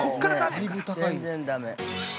全然ダメ。